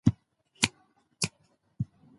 ماشومان د لوبو له لارې له ستونزو سره مقابله زده کوي.